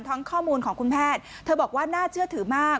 ข้อมูลของคุณแพทย์เธอบอกว่าน่าเชื่อถือมาก